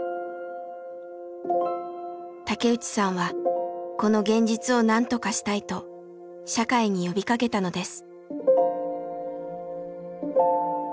竹内さんはこの現実をなんとかしたいと社会に呼びかけたのです。